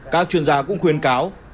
các chuyên gia cũng khuyên cáo